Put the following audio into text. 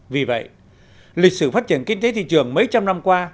vì vậy lịch sử phát triển kinh tế thị trường mấy trăm năm qua